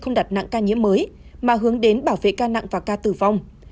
không đặt nặng ca nhiễm mới mà hướng đến bảo vệ ca nặng và ca tử vong